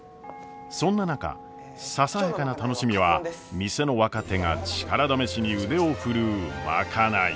そんな中ささやかな楽しみは店の若手が力試しに腕を振るう賄い。